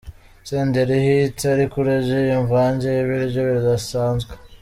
Senderi Hit ari kurya iyi mvange y'ibiryo bidasanzwe.